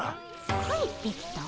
帰ってきた？